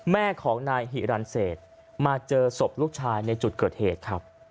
แม่ของนายหิรันเศษมาเจอศพลูกชายในจุดเกิดเหตุครับ